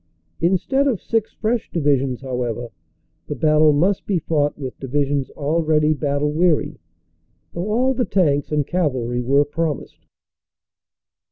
Instead of six fresh divisions, however, the battle must be fought with divisions already bat tle weary, though all the tanks and cavalry were promised.